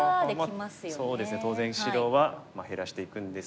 そうですね当然白は減らしていくんですが。